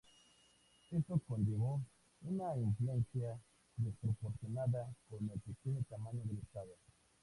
Esto conllevó una influencia desproporcionada con el pequeño tamaño del estado.